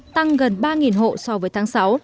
tăng gần ba hộ so với tháng sáu